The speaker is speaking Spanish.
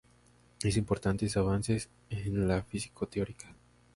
Hizo importantes avances en la física teórica.